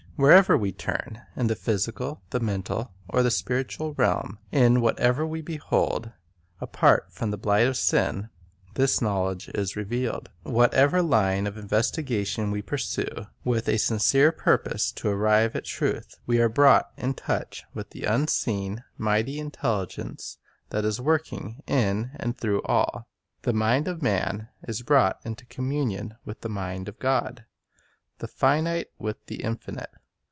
Wherever we turn, in the physical, the mental, or the spiritual realm; in whatever we behold, apart from the blight of sin, this knowledge is revealed. Whatever line of investigation we pursue, with a sincere purpose to arrive at truth, we are brought in touch with the unseen, mighty Intelli gence that is working in and through all. The mind of man is brought into communion with the mind of God, the finite with the Infinite.